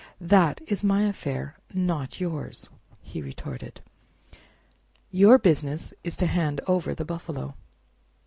"That is my affair, not yours," he retorted; "your business is to hand over the buffalo."